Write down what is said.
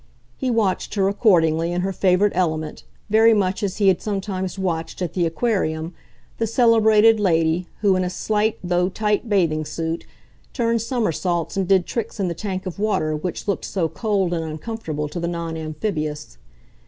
He watched her, accordingly, in her favourite element, very much as he had sometimes watched, at the Aquarium, the celebrated lady who, in a slight, though tight, bathing suit, turned somersaults and did tricks in the tank of water which looked so cold and uncomfortable to the non amphibious.